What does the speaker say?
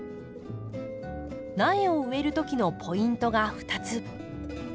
苗を植える時のポイントが２つ。